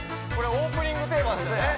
これオープニングテーマですね